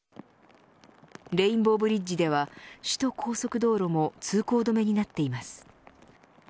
レインボーブリッジでは首都高速道路も通行止めになっています。